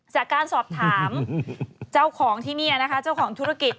จากการสอบถามเจ้าของที่นี่นะคะเจ้าของธุรกิจ